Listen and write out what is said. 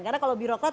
karena kalau birokrat